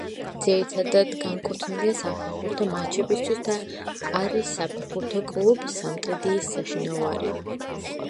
ძირითადად განკუთვნილია საფეხბურთო მატჩებისათვის და არის საფეხბურთო კლუბ „სამტრედიის“ საშინაო არენა.